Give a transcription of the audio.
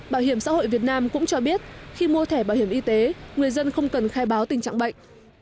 bảo hiểm xã hội việt nam cũng cho biết khi mua thẻ bảo hiểm y tế người dân không cần khai báo tình trạng bệnh